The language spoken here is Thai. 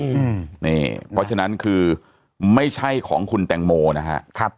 เพราะฉะนั้นคือไม่ใช่ของคุณแตงโมนะฮะ